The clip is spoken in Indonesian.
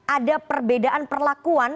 ada perbedaan perlakuan